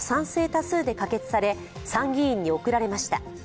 多数で可決され参議院に送られました。